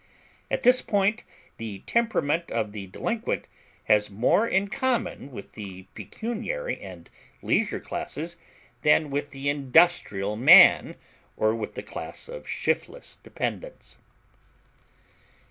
At this point the temperament of the delinquent has more in common with the pecuniary and leisure classes than with the industrial man or with the class of shiftless dependents.